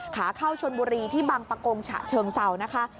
ขาเข้าชนบุรีที่บังปะโกงฉะเชิงเศร้านะคะ